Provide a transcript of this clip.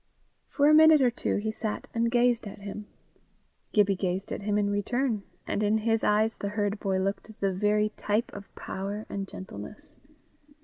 For a minute or two he sat and gazed at him. Gibbie gazed at him in return, and in his eyes the herd boy looked the very type of power and gentleness.